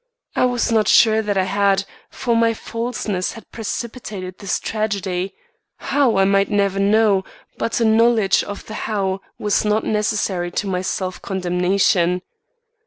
I was not sure that I had, for my falseness had precipitated this tragedy, how I might never know, but a knowledge of the how was not necessary to my self condemnation.